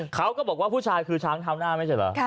เขาก็บอกว่าผู้ชายคือช้างเท้าหน้าไม่ใช่เหรอ